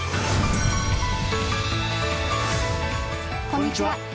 こんにちは。